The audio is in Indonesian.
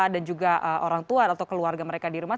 juga orang tua atau keluarga mereka di rumah